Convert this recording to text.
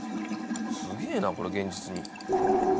すげぇなこれ現実に。